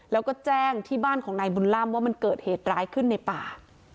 แล้วก็แจ้งที่บ้านของนายบุญล่ำว่ามันเกิดเหตุร้ายขึ้นในป่า